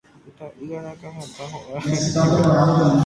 ita'ýra akãhatã ho'a vai.